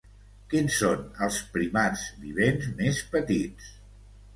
Quins són els primats vivents més petits?